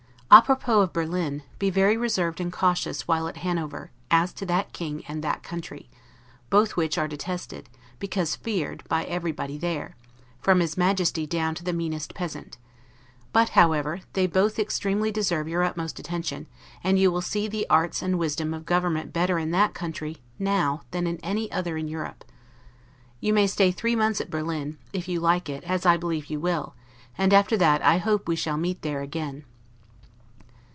'A propos' of Berlin, be very reserved and cautious while at Hanover, as to that King and that country; both which are detested, because feared by everybody there, from his Majesty down to the meanest peasant; but, however, they both extremely deserve your utmost attention and you will see the arts and wisdom of government better in that country, now, than in any other in Europe. You may stay three months at Berlin, if you like it, as I believe you will; and after that I hope we shall meet there again.